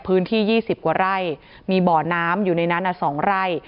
๒๐กว่าไร่มีบ่อน้ำอยู่ในนั้น๒ไร่